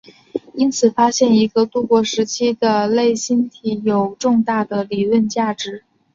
因此发现一个过渡期时候的类星体有重大的理论价值。